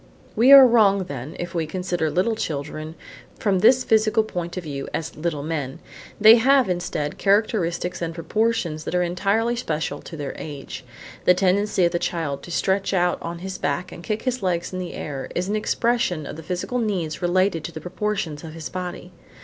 We are wrong then if we consider little children from this physical point of view as little men. They have, instead, characteristics and proportions that are entirely special to their age. The tendency of the child to stretch out on his back and kick his legs in the air is an expression of physical needs related to the proportions of his body.